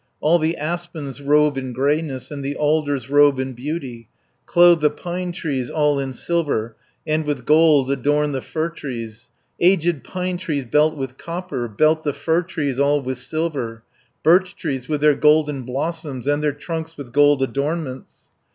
All the aspens robe in greyness, And the alders robe in beauty, Clothe the pine trees all in silver, And with gold adorn the fir trees. 160 Aged pine trees belt with copper, Belt the fir trees all with silver, Birch trees with their golden blossoms, And their trunks with gold adornments.